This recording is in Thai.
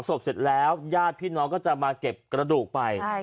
ศพเสร็จแล้วญาติพี่น้องก็จะมาเก็บกระดูกไป